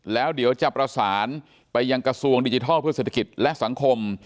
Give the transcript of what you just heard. แล้วเดี๋ยวจะประสานไปยังกระทรวงดิจิทัลเพื่อเศรษฐกิจและสังคม